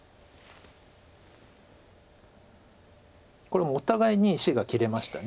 これお互いに石が切れました。